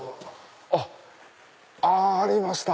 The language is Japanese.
あっありました！